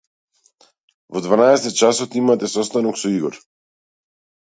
Во дванаесет часот имате состанок со Игор.